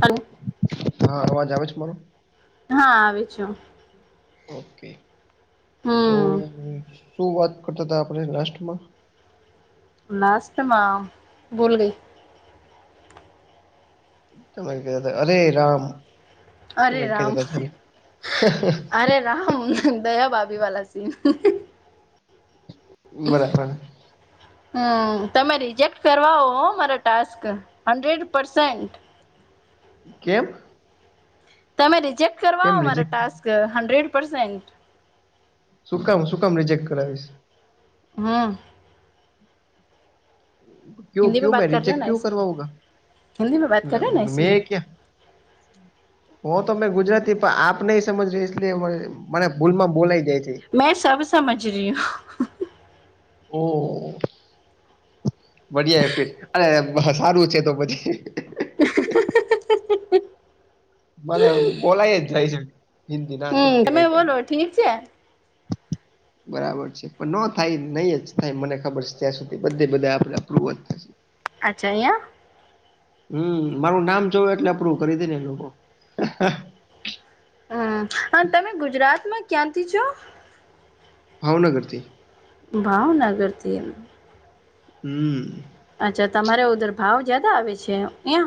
અ. હા, અવાજ આવે છે મારો. હા, આવું છું. ઓકે, તો હમ હુ. શું વાત કરતા હતા આપણે લાસ્ટમાં? મસ્તમાં, ભૂલી ગઈ. તમે ગયા તા, અરે રામ, એવુ અરે કંઈ રામ કહેતાં તા, હ હ હ. અરે રામ દયા ભાભી વાલા સીન. બરાબર. હમ, તમે રિજેક્ટ કરવા હો મારા ટાસ્ક. હંન્ડ્રેડ પરસેનન્ટ. કેમ? તમે રિજેક્ટ કરવા કેમ ઓ મારા રિજેક્ટ ટાસ્ક હંડ્રેડ પરસેન્ટ. શું કામ શું કામ રિજેક્ટ કરાવીશ? હમ. કયું કયું મે રિજેક્ટ કયું કરાવા ઉભા, મેં ક્યા? [unintelligible] હો તો મે ગુજરાતી પણ આપ નહીં સમજ રહે, ઈસલિયે મ મને ભૂલમાં બોલાઈ જાય છે. મેં સબ સમજ રહી હું. ઓ, ઓ. બડિયા એ ફીર અરે, સારું છે તો પછી. [inaudible] મને બોલાય જ જાય છે, હિન્દી ના હમ છૂટકી તમે કંઈ ક બોલો ઠીક છે [unintelligible] બરાબર છે, પણ ન થાય, નહી જ થાય, મને ખબર છે ત્યાં સુધી બધે બધા આપણા ધૂવ જ થશે. અચ્છા, અહીંયા. હમ, મારું નામ જોવું એટલે અપરુ કરી દેને એ લોકો, હ હ હ. હમ, અને તમે ગુજરાતમાં ક્યાંથી છો? ભાવનગરથી. ભાવનગરથી એમ. હમ. અચ્છા તમારે ઉધર ભાવ જ્યાદા આવે છે, અહીં.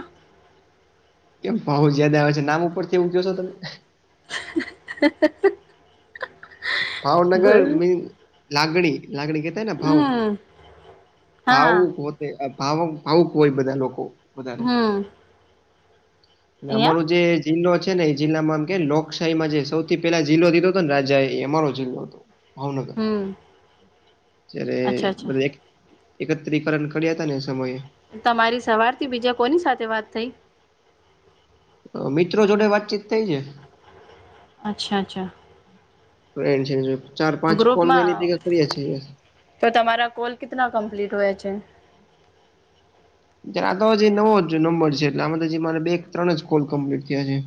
કેમ, ભાવ જાદા આવે છે નામ ઉપરથી એવું કે શો તમે? હ હ હ. ભાવનગર મીન લાગણી, લાગણી કે? ને ભાઉ, હમ હા ભાઉ હા પોતે ભાવ ભાવુક હોય બધા લોકો. વધારે હમ. અહીંયા અમારું જે જિલ્લો છે ને, એ જિલ્લામાં આમ કે લોકશાહી માં જે સૌથી પહેલા જિલ્લો દીધો હતો ને, રાજા. અમારો જિલ્લો હતો, ભાવનગર. હમ્મ. જ્યારે બધા એકત્રીકરણ કર્યા હતા ને સમયે. તમારી સવારથી બીજા કોની સાથે વાત થઈ મિત્રો જોડે વાતચીત થઈ છે. અચ્છા અચ્છા ચાર પાંચ કોલ મે એની ગ્રુપમાં ભેગા કરીયા છે તો તમારા કોલ કિતના કમ્પ્લીટ હોયા છે જદા અજી જે નવો જ નંબર છે એટલે આમાં જે મારે બે ત્રણ જ કોલ કમ્પ્લીટ થયા છે.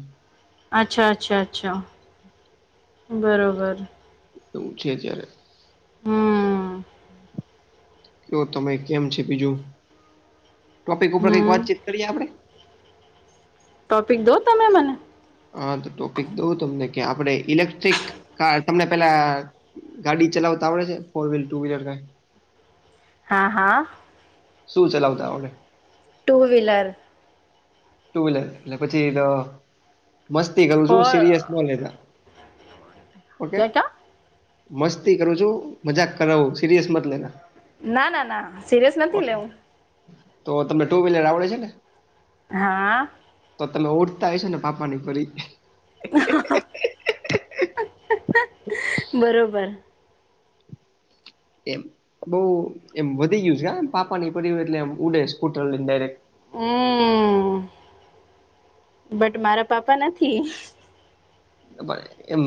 અચ્છા અચ્છા અચ્છા બરાબર એવું છે અત્યારે હમ તો તમે કેમ છે બીજું ટોપિક ઉપર કઈક હમ વાતચીત કરીએ આપડે ટોપિક દો તમે મને હા તો ટોપિક દઉં તમને કે આપણે ઇલેક્ટ્રિક કાર તમને પેલા ગાડી ચલાવતા આવડે છે ફોર વ્હીલર, ટુ વ્હીલર કઈ હા હા શું ચલાવતા આવડે. ટુ વ્હીલર ટુ વલર એટલે પછી મસ્તી કરું છું ફોર સિરિયસ ન લેતા. ઓકે ક્યા ક્યા મસ્તી કરું છું મજાક કરાવું સિરિયસ મત લેના ના ના ના સિરિયસ નથી ઓકે લેવું. તો તમને ટુ વ્હીલર આવડે છે ને હા તો તમે ઉડતા હોય છે ને પાપા ની પરી [inaudible] [inaudible] બરોબર એમ બહુ એમ વધી ગયું છેમ પાપાની પરિ એટલે એમ ઉડે સ્કૂટર લઈને ડાયરેક્ટ હમ્મ બટ મારા પાપા નથી પણ એમ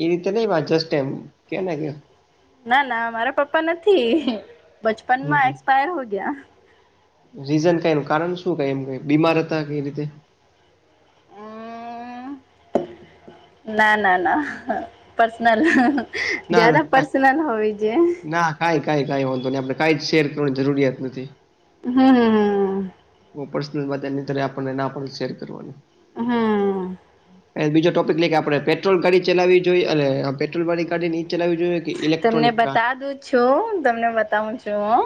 એ રીતે નઈ વાત જસ્ટ એમ કે ને કે ના ના મારા પપ્પા નથી હમ બચપનમાં એક્સપાયર હો ગયા. રીઝન કઈ ન કારણ શું ક એમ ક બીમાર હતા કઈ રીતે ના ના ના પર્સનલ ના ના જ્યાદા કા- પર્સનલ હોય છે. ના કાઈ કં કઈ વાંધો નહીં આપણે કાઈ જ શેર કરવાની જરુરિયાત નથી હમ્મમ પર્સનલત એની ત આપણને ના પણ શેર કરવાની હમ એ બીજો ટોપિક લે કે આપણે પેટ્રોલ ગાડી ચલાવી જોઈએ અને આ પેટ્રોલ વાડી ગાડી નીચ ચલાવવી જોઈએ કે તમને ઇલેક્ટ્રોનિક કાર બતા દું છું તમને બતાવું છું હું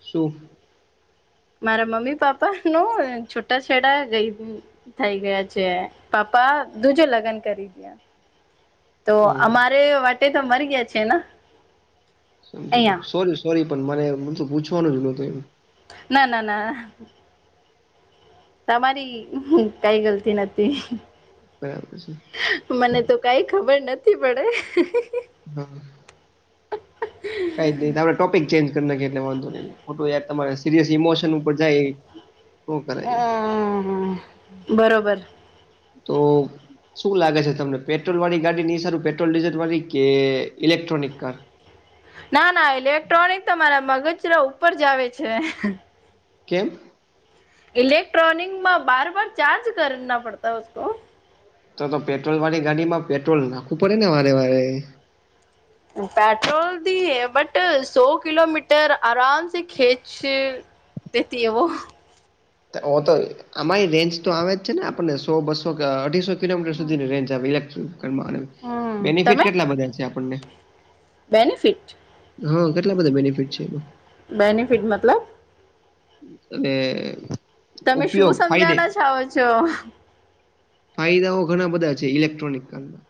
શું મારા મમ્મી પાપાનું છૂટા છેડા ગય થઈ ગયા છે પાપા દુજો લગ્ન કરી દયા. તો ઓ અમારે માટે તો મરી ગયા છે ને અહિયાં સોરી સોરી પણ મને બધું પૂછવાનું જ નતું એમ ના ના ના તમારી કઈ ગલતી નથી. બરાબર છે મને તો કઈ ખબર નથી પડે. હમ્મ કાઈ જ નઈ, આપડે ટોપિક ચેન્જ કર નાખીએ એટલે વાંધો નઈ ખોટું યાર, તમારે સિરિયસ ઇમોશન ઉપર જાય નો કરાય હા, બરોબર તો શું લાગે છે તમને, પેટ્રોલ વાળી ગાડીની સારું પેટ્રોલ ડીઝલ વાળી કે ઇલેક્ટ્રોનિક કાર? ના, ના, ઇલેક્ટ્રોનિક તો મારા મગજરા ઉપર જાવે છે. કેમ? ઇલેક્ટ્રોનિકમાં બાર બાર ચાર્જ કરના પડતા હૈ ઉસકો તો તો પેટ્રોલ વાળી ગાડીમાં પેટ્રોલ નાખવું પડે ને વારે વારે પેટ્રોલથી હૈ બટ સો કિલોમીટર આરામ સે ખેંચ તેથી એવો ઓ તો અમાયે રેન્જ તો આવે જ છે ને આપણને સો બસો કે અઢીસો કિલોમીટર સુધીની રેન્જ આવે ઈલેકટ્રિકલમા અને હમ બેનિફિટ તમે કેટલા બધા છે આપણને બેનિફિટ? હા, કેટલા બધા બેનિફિટ છે એમાં? બેનિફિટ મતલબ? અને તમે શું ઉપયોગ ફાયદે સમજાના ચાઓ છો? ફાયદાઓ ઘણા બધા છે ઇલેક્ટ્રોનિકલના.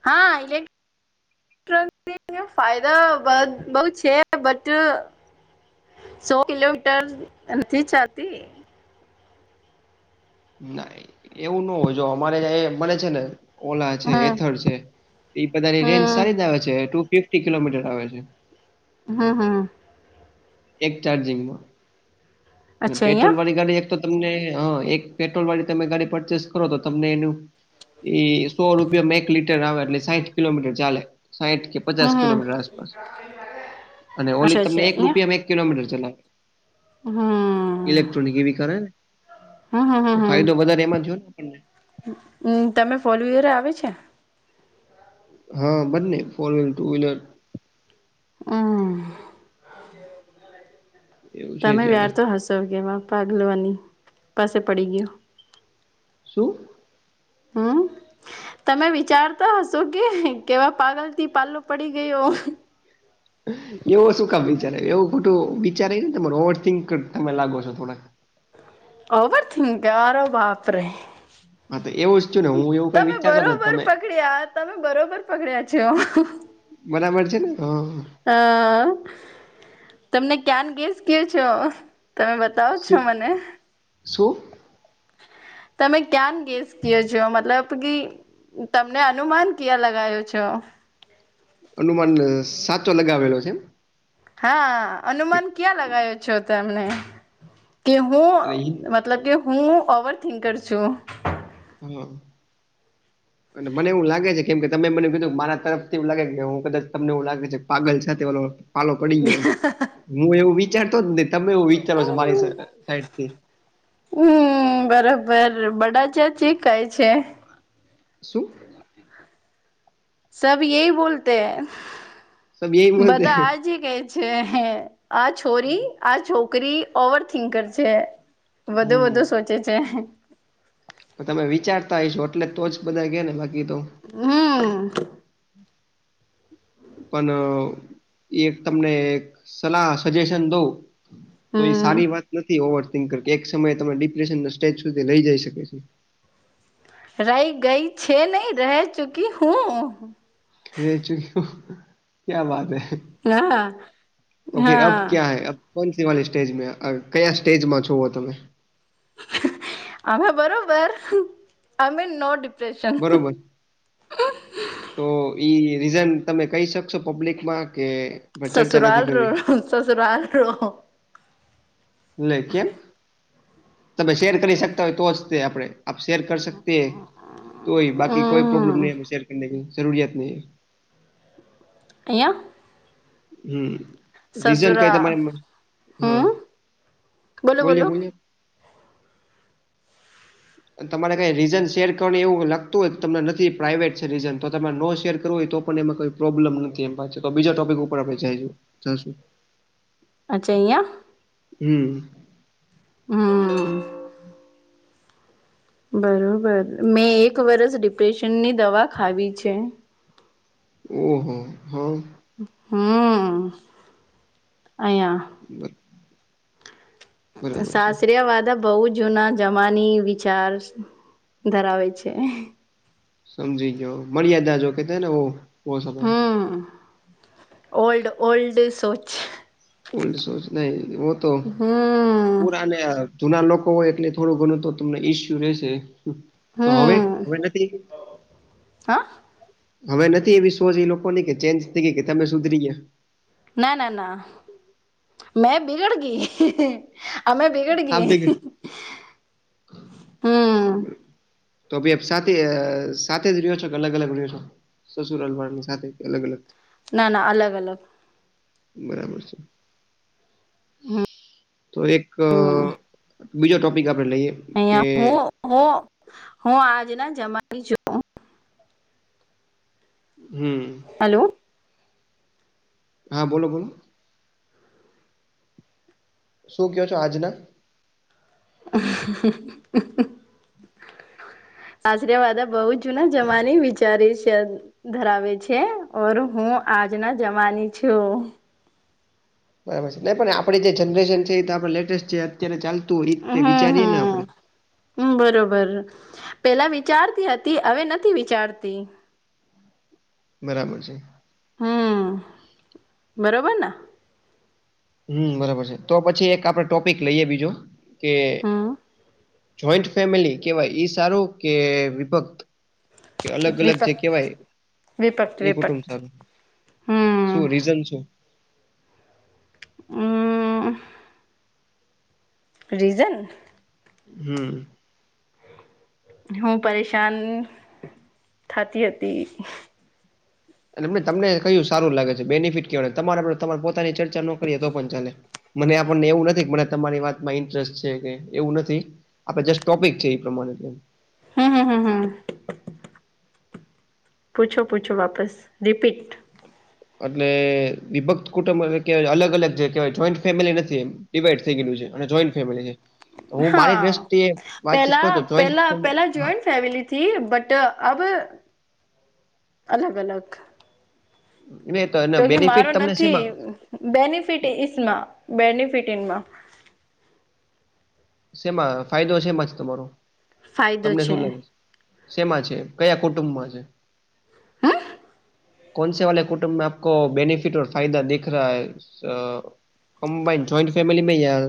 હા, ઈલેક ફાયદાઓ બદ‌ બઉ છે બટ સો કિલોમીટર નથી ચાલતી ના, એવું ન હોય જો અમારેં એ બને છે ને, ઓલા છે હમ એથર છે. એ બધાની રેન્જ હમ સારી જ આવે છે ટુ ફિફટી કિલોમીટર આવે છે. હા, હા, એક ચાર્જિંગમાં અચ્છા પેટ્રોલ અહિયાં વાળી ગાડી એક તો તમને, હ, એક પેટ્રોલ વાળી તમે ગાડી પરચેસ કરો તો તમને એનું એ સો રૂપિયામા એક લીટર આવે એટલે સાઈઠ કિલોમીટર ચાલે, સાહીઠ કે પચાસ હમ હમ કિલોમીટર આસપાસ અને ઓલી અચ્છા તમને અચ્છા એક રૂપિયામાં એક કિલોમીટર ચલાવે હા, ઇલેક્ટ્રોનિક એવી કરે હમ હમ તો હમ હમ ફાયદો વધારે એમાં થયો ને આપણછે હમ, તમે ફોલવીયર આવે છે? હા, બંને ફોર વ્હીલર, ટુ વ્હીલર અહ, એવું છે તમે જયારે. વ્યાર તો હસો કે એમાં ભાગ લવાની પાસે પડી ગીયુ શું? હા, તમે વિચારતા હશો કે કેવા પાગલથી પાલો પડી ગયો. એવું શું કામ વિચારે, એવું ખોટું વિચારે નઈ તમારું ઓવરથિંક તમે લાગો છો થોડાક ઓવરથિંક અરે બાપરેે હા, તો એવું જ હુ એવો તમે બરોબર પકડ્યા, તમે બરોબર પકડ્યા છે હ બરાબર છે ને, હ હ, તમને ક્યાન ગેસ કેવ છો તમે બધ તવ છો મને શુ? તમે કયાન ગેસ કીઓ છો મતલબ કી તમને અનુમાન કીયા લગાયો છો અનુમાન સાચો લગાવેલો છે. હા કે અનુમાન ક્યાં લગાયો છો તમને તે બહુ અને હિ- મતલબ કે હું ઓવર થિંકર છું. હમ અને મને એવું લાગે છે કેમ કે તમે મને એવું કીધું મારા તરફથી એવું લાગે કે હું કદાચ તમને એવું લાગે છે કે પાગલ સાથે ઓલો પાલો પડી ગયો એમ હું એવું વિચારતો જ ને તમે એવું વિચારો છો મારી સાઈડથી હમ બરોબર બડા [inaudible] કાઈ છે. શું? સબ યેહી બોલતે હે. સબ યહી બોલતે બધા હે. આજી કેછે હે. આ છોરી આ છોકરી ઓવરથિંકર છે વધુ વધુ હમ સોચ ચે છે. તો તમે વિચારતા હઈશો એટલે તો જ બધા કે ને બાકી તો હમ પન એક તમને એક સલાહ સજેશન દઉં. તો ઈ હમ સારી વાત નથી ઓવર થિંકર. કે એક સમયે તમે ડિપ્રેશનના સ્ટેજ સુધી લઈ જઈ શકે છે. રહી ગઈ છે નહીં રહે ચુકી હું. રહે ચુકી હું. ક્યા બાત હૈ. હા તો ફિર અબ હા ક્યા હૈ અબ? કોનસી વાલી સ્ટેજમે અ કયા સ્ટેજમાં છો અ તમે? અમે બરોબર અમે નો ડીપ બરોબર. તો ઈ રીઝન તમે કહી શકશો પબ્લિકમાં કે પણ ચર્ચા નથી સસુરાલ રો કરવી સસુરાલ રો લે કેમ? તમે શેર કરી શકતા હોય તો જ તે આપણેે. આપ શેર કર સકતે હે તોહી. બાકી કોઈ પ્રોબ્લમ નઈ હે શેયર કરને કી જરૂરિયાત નહીં હે. અહીંયા? હમ રીઝન કઈ સસુરા તમારે હા હમ બોલો બોલો બોલીયે બોલીયે. અને તમારે કંઈ રીઝન શેર કરવાનું એવું લાગતું હોય તો તમને નથી પ્રાઇવેટ છે રીઝન તો તમારે નો શેર કરવું હોય તો પણ એમાં કંઈ પ્રોબ્લમ નથી એમ પાછા તો બીજા ટોપિક ઉપર આપણે જાઇએ જાશું. અચ્છા યા? હમ હમ બરોબર મેં એક વરસ ડિપ્રેશનની દવા ખાવી છે. ઓહો! હહ હમ અહીંયા [inaudible] છે સાસરિયા વાદા બહુ જૂના જમાની વિચાર ધરાવે છે. સમજી ગયો. મર્યાદા જો કેહતે હેના વો વો સમય હમ ઓલ્ડ ઓલ્ડ સોચ ઓલ્ડ સોચ નહી વો તો હમ પુરાને અ જૂના લોકો હોય એટલે થોડું ઘણું તો તમને ઈસ્યુ રહેેશે. તો હવે હવે નથી? હહ? હવે નથી એવી સોચ ઈ લોકોની કે ચેન્જ થઈ ગઈ કે તમે સુધરી ગયા? ના ના ના. મેં બિગડ ગી. અમે બિગડ આમ ગી. થઈ ગઈ [inaudible] તોભી આપ સાથે. સાથે જ રહ્યો છો કે અલગ અલગ રહ્યો છો? સસુરાલ વાળાની સાથે કે અલગ અલગ? ના ના અલગ અલગ. બરાબર છે. હમ તો એક બીજો ટોપિક આપણે લઈએ કે હ હું આજ ના જમાવી છું હમ હલો હા બોલો બોલો શું કયો છો આજના હ [unintelligible] આશ્ર્યવાદા બહુ જૂના જમાની વિચારી છે ધરાવે છે ઓર હું આજના જવાની છું બરાબર છે નહી પણ આપડે જે જનરેશન છે એ તો આપ લેટેસ્ટ જે અત્યારે ચાલતું હોય એ હમ વિચારીએે ને આપણે હમ બરોબર પેલા વિચારતી હતી હવે નથી વિચારતી બરાબર છે હમ બરોબર ને હમ બરાબર છે તો પછી એક આપડ ટોપિક લઈએ બીજો કે હમ જોઈન્ટ ફેમિલી કેહેવાય ઈ સારો કે વિભક્ત કે અલગ અલગ વિપક જે કેહેવાય વિપક એ વિપક કુટુંબ સારું હમ શું રીઝન શું હમ રીઝન હમ હું પરેશાન થતી હતી એ તમને કયું સારું લાગે છે બેનિફિટ કવાય તમારે આપ તમારે પોતાની ચર્ચા નો કરીએ તો પણ ચાલે મને આપણને એવું નથી મને તમારી વાતમાં ઇન્ટરેસ્ટ છે કે એવું નથી આપડે જસ્ટ ટોપિક છે એ પ્રમાણેમ હમ હમ હમ હમ પૂછો પૂછો વાપસ રિપીટ એટલે વિભક્ત કુટુંબ કેવાય અલગ અલગ જે કેવાય જોઈન્ટ ફેમિલી નથી એમ ડિવાઈડ થઈ ગયેલું છે અને જોઈન્ટ ફેમિ છે તો હું મારી હા દ્રષ્ટિએ વાતચીત પેલા કરું તો જોઈન્ટ પેલા ફેમિલી પેલા હા જોઈન્ટ ફેમિલી બટ આ અલગ અલગ એટલે તો એના જોકે મારો બેનિફિટ તમને નથી શેમાં બેનિફિટ સમાં બેનિફિટ નમાં સેમાં ફાયદો સેમાં છે તમારો તમને શું લાગે છે શેમાં છે કયા કુટુંબમાં છે હમ કોનસે વાલે કુટુંબમાં આપકો બેનિફિટ ફાયદા દેખ રા હૈ કમ્બાઈન જોઈન્ટ ફેમિીમાં યાર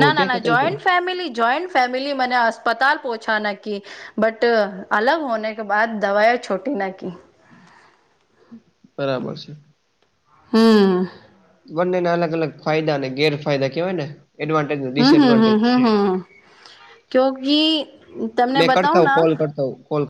ના ના ના જોઈન્ટ ફેમિલી જોઈન્ટ ફેમિલી મને અસ્પતાલ પોહછા નકી બટ અલગ હોને કે બા દવાયા છોટી ના ક બરાબર છે હમ બંનેને અલગ અલગ ફાયદા અનેને ગેરફાયદા કેવાય ને એડન્ટજિસડવાન્ટેજ છે કુકી તમને બતાવ ના